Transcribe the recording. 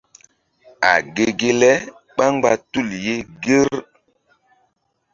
A ge ge le ɓá mgba tul ye ŋger.